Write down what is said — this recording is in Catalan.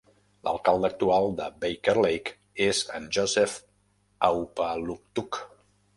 L'alcalde actual de Baker Lake és en Joseph Aupaluktuq.